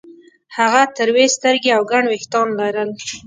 هغه تروې سترګې او ګڼ وېښتان لرل